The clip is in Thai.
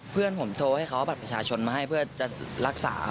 เพื่อนผมโทรให้เขาเอาบัตรประชาชนมาให้เพื่อจะรักษา